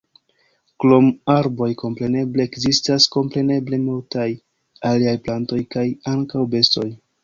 Krom arboj kompreneble ekzistas kompreneble multaj aliaj plantoj kaj ankaŭ bestoj.